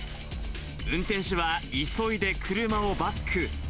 運転手は急いで車をバック。